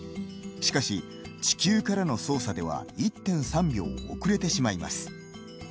しかし、地球からの操作では１．３秒遅れてしまいます。